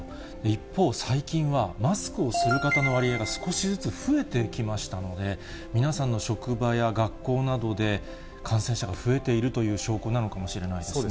一方、最近はマスクをする方の割合が少しずつ増えてきましたので、皆さんの職場や学校などで、感染者が増えているという証拠なのかもしれないですね。